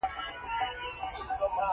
هغه ښه ښځه ده